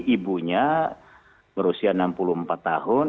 ibunya berusia enam puluh empat tahun